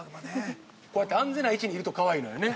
◆こうやって安全な位置にいるとかわいいのよね。